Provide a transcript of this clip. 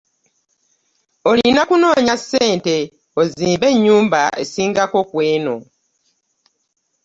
Olina okunoonya ssente ozimbe ennyumba esingako kw'eno.